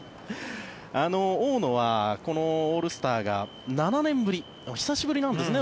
大野はオールスターが７年ぶり、久しぶりなんですね。